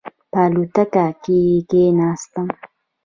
په الوتکه کې چې کېناستم.